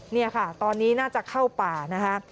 นี่ค่ะตอนนี้น่าจะเข้าป่านะคะ